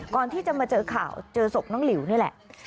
ก่อนที่จะมาเจอข่าวเจอศพน้องหลิวนี่แหละ